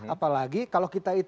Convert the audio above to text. apalagi kalau kita